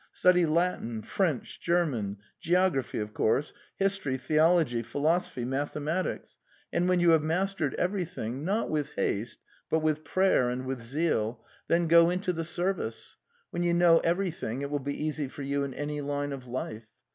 Study Latin, French, German, ... geography, of course, his tory, theology, philosophy, mathematics, ... and The Steppe 293 when you have mastered everything, not with haste but with prayer and with zeal, then go into the serv ice. When you know everything it will be easy for you in any line of life.